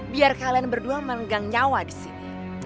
biar kalian berdua menegang nyawa disini